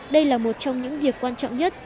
đây là một trong những việc quan trọng nhất